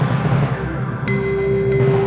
pak rahman dakwa